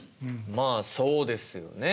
まあそうですよね。